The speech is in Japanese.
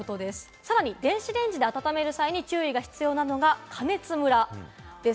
電子レンジで温める際に注意が必要なのが加熱ムラです。